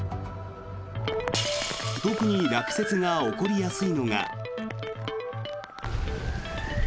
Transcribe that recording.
特に落雪が起こりやすいのが。